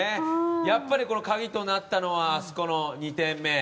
やっぱり、鍵となったのはあそこの２点目。